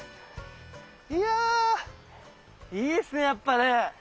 いやいいっすねやっぱね。